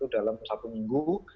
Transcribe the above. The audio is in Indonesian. dalam satu minggu